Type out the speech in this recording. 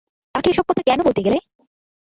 তাকে এসব কথা কেন বলতে গেলে?